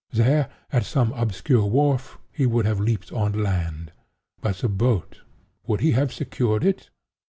There, at some obscure wharf, he would have leaped on land. But the boat—would he have secured it?